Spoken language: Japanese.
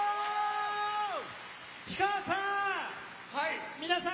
氷川さん